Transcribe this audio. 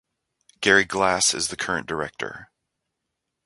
Gary Glass is the current director.